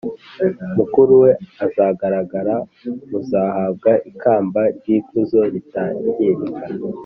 mukuru we azagaragara muzahabwa ikamba ry ikuzo ritangirika